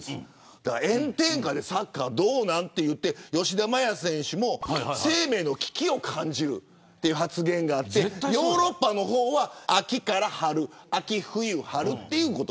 炎天下でサッカーはどうなのと言って吉田麻也選手も生命の危機を感じるという発言があってヨーロッパは秋から春秋、冬、春ということ。